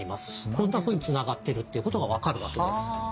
こんなふうにつながってるっていうことが分かるわけです。